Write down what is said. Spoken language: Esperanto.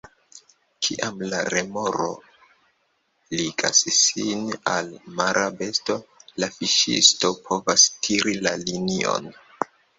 Kiam la remoro ligas sin al mara besto, la fiŝisto povas tiri la linion.